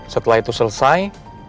setelah itu selesai